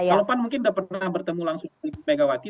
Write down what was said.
kalau pan mungkin sudah pernah bertemu langsung dengan ibu mega wati